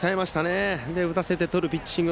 打たせてとるピッチング。